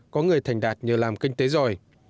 có người thành đạt nhờ làm kinh tế giỏi